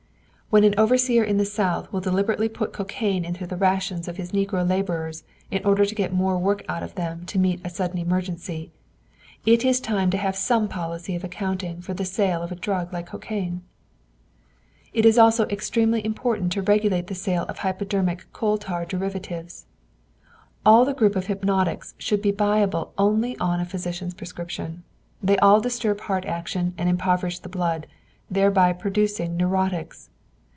When an overseer in the South will deliberately put cocaine into the rations of his negro laborers in order to get more work out of them to meet a sudden emergency, it is time to have some policy of accounting for the sale of a drug like cocaine. It is also extremely important to regulate the sale of the hypnotic coal tar derivatives. All the group of hypnotics should be buyable only on a physician's prescription. They all disturb heart action and impoverish the blood, thereby producing neurotics.